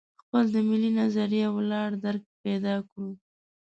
خپل د ملي نظریه ولاړ درک پیدا کړو.